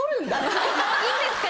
いいんですか？